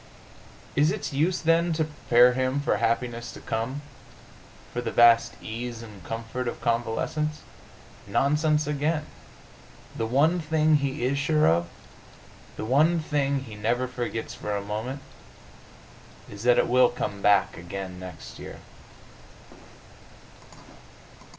Is its use, then, to prepare him for happiness to come for the vast ease and comfort of convalescence? Nonsense again! The one thing he is sure of, the one thing he never forgets for a moment, is that it will come back again next year.